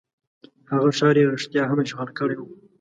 هغه ښار یې رښتیا هم اشغال کړی وو.